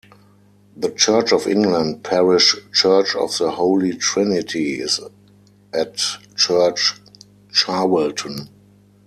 The Church of England parish church of the Holy Trinity is at Church Charwelton.